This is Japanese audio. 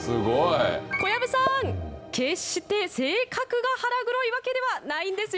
小籔さん、決して性格が腹黒いわけではないんですよ。